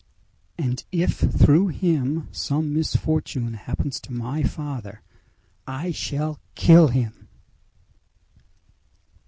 "And if through him some misfortune happens to my father I shall kill him!"